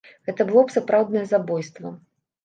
Гэта было б сапраўднае забойства.